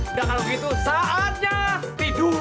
udah kalau gitu saatnya tidur